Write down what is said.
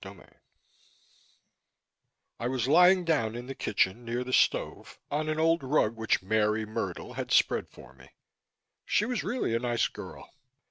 CHAPTER 34 I was lying down in the kitchen, near the stove, on an old rug which Mary Myrtle had spread for me. She was really a nice girl.